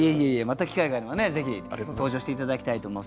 また機会があればねぜひ登場して頂きたいと思います。